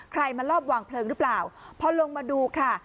มารอบวางเพลิงหรือเปล่าพอลงมาดูค่ะ